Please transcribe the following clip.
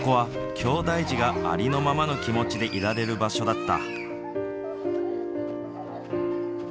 きょうだい児がありのままの気持ちでいられる場所だった。